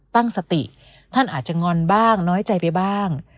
ตั้งสติท่านอาจจะงอนบ้างน้อยใจไปบ้าง